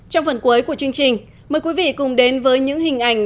trong phần cuối của chương trình mời quý vị cùng đến với những hình ảnh